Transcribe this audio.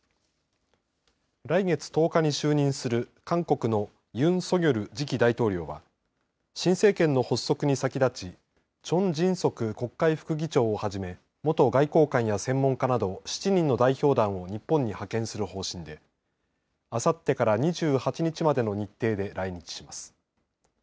来月１０日に就任する韓国のユン・ソギョル次期大統領は新政権の発足に先立ちチョン・ジンソク国会副議長をはじめ元外交官や専門家など７人の代表団を日本に派遣する方針であさってから２８日までの日程で来日します。